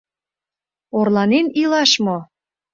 Орланен илаш мо?..